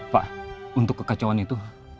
pak untuk kekacauan itu